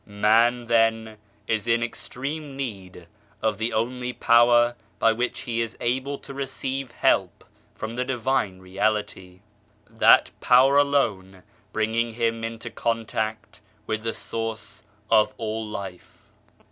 Man, then, is in extreme need of the only Power by which he is able to receive help from the Divine Reality, that Power alone bringing him into contact with the Source of all life.